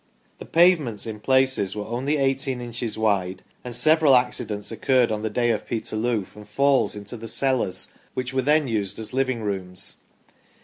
The pavements in places were only 1 8 inches wide, and several accidents occurred on the day of Peterloo from falls into the cellars which were then used as living rooms.